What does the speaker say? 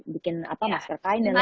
bikin masker kain dan lain lain